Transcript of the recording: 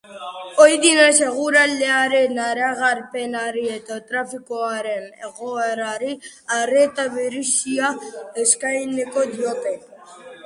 Ohi denez, eguraldiaren iragarpenari eta trafikoaren egoerari arreta berezia eskainiko diote.